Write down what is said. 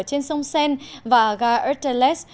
trên sông seine và ga erdeles